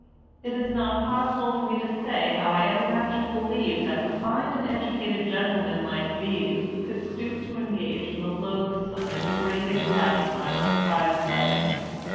It is not possible for me to say how I ever managed to believe that refined and educated gentlemen like these could stoop to engage in the loathsome and degrading pastime of prize fighting.